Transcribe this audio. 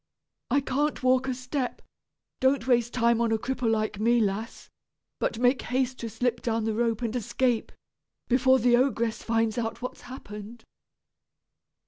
I can't walk a step. Don't waste time on a cripple like me, lass; but make haste to slip down the rope and escape, before the ogress finds out what has happened."